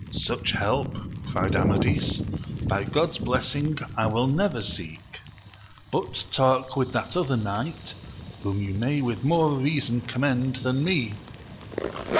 Such help, cried Amadis, by God's blessing I will never seek ! but talk with that other knight, whom you may with more reason commend than me.